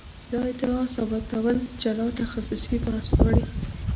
دا ادعا ثابتول جلا تخصصي بحث غواړي.